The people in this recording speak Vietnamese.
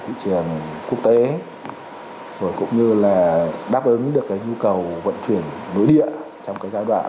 thị trường quốc tế rồi cũng như là đáp ứng được cái nhu cầu vận chuyển nội địa trong cái giai đoạn